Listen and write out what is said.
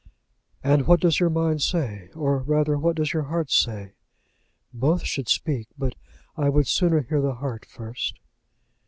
"And what does your mind say? Or rather what does your heart say? Both should speak, but I would sooner hear the heart first."